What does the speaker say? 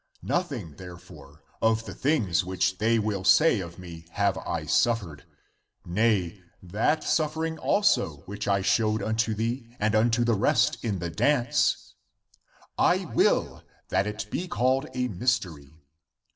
Nothing therefore of the things which they will say of me have I suffered: nay, that suf fering also which I showed unto thee and unto the rest in the dance, I w411 that it be called a mystery.